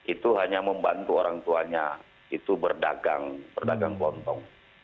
itu hanya membantu orang tuanya itu berdagang berdagang kelontong